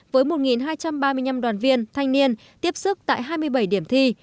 với một hai trăm ba mươi năm đoàn viên thanh niên tiếp sức tại hai mươi bảy điểm thi